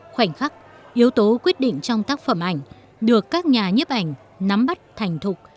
khoảnh khắc yếu tố quyết định trong tác phẩm ảnh được các nhà nhếp ảnh nắm bắt thành thục